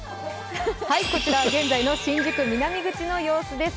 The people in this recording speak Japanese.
こちらは現在の新宿南口の様子です。